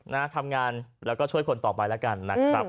นะทำงานแล้วก็ช่วยคนต่อไปแล้วกันนะครับ